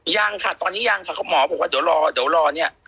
ยังค่ะตอนนี้ยังค่ะเขาหมอบอกว่าเดี๋ยวรอเนี่ย